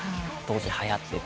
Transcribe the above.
当時はやってて。